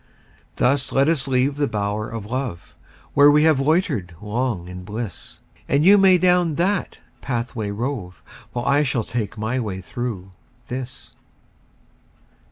Thus let us leave the bower of love, Where we have loitered long in bliss; And you may down that pathway rove, While I shall take my way through this.